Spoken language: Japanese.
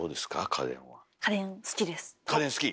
家電好き？